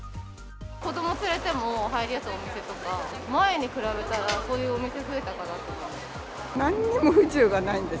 子ども連れても入りやすいお店とか、前に比べたら、そういうお店増えたかなと思います。